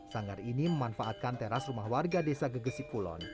sanggar ini memanfaatkan teras rumah warga desa gegesi kulon